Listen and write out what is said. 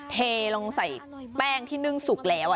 เทลงใส่แป้งที่นึ่งสุกแล้ว